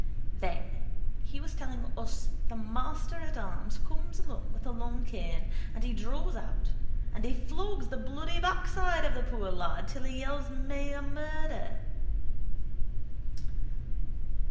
Then he was telling us the master at arms comes along with a long cane and he draws out and he flogs the bloody backside off of the poor lad till he yells meila murder.